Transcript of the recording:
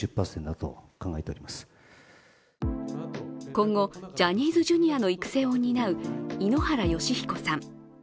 今後、ジャニーズＪｒ．の育成を担う井ノ原快彦さん。